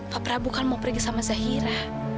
pak prabu kan mau pergi sama zahira